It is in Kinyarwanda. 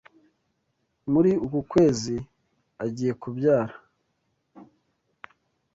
Muri uku kwezi agiye kubyara.